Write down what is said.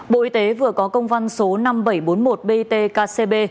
bộ y tế vừa có công văn số năm nghìn bảy trăm bốn mươi một btkb